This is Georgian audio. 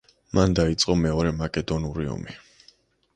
მან დაიწყო მეორე მაკედონური ომი.